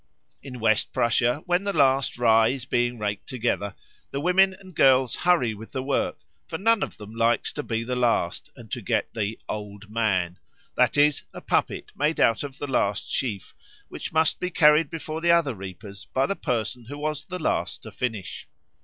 In West Prussia, when the last rye is being raked together, the women and girls hurry with the work, for none of them likes to be the last and to get "the Old Man," that is, a puppet made out of the last sheaf, which must be carried before the other reapers by the person who was the last to finish.